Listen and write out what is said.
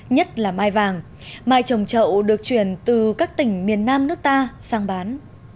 nhất là mai vàng mai trồng chậu được chuyển từ các tỉnh miền nam nước ta sang bán